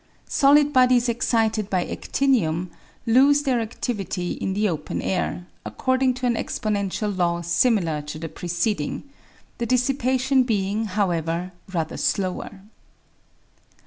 Solid bodies excited by adtinium lose their adtivity in the open air, according to an exponential law similar to the precedmg, the dissipation being, however, rather slower.